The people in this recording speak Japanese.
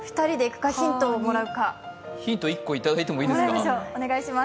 ヒント１個いただいてもいいですか。